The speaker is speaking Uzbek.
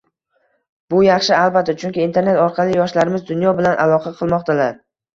Bu yaxshi albatta, chunki internet orqali yoshlarimiz dunyo bilan aloqa qilmoqdalar